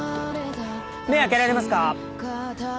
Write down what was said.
目開けられますか？